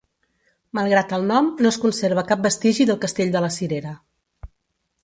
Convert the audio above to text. Malgrat el nom, no es conserva cap vestigi del castell de la Cirera.